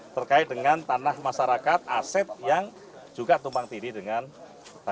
terkait dengan tanah masyarakat aset yang juga tumpang tindih dengan